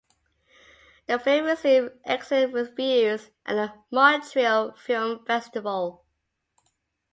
The film received excellent reviews at the Montreal Film Festival.